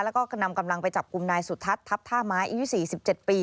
แล้วก็นำกำลังไปจับกลุ่มนายสุทัศน์ทัพท่าไม้อายุ๔๗ปี